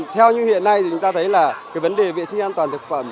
theo như hiện nay thì chúng ta thấy là cái vấn đề vệ sinh an toàn thực phẩm